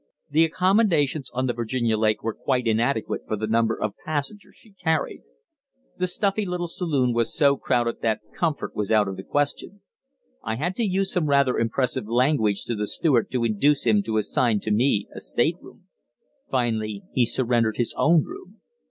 The accommodations on the Virginia Lake were quite inadequate for the number of passengers she carried. The stuffy little saloon was so crowded that comfort was out of the question. I had to use some rather impressive language to the steward to induce him to assign to me a stateroom. Finally, he surrendered his own room.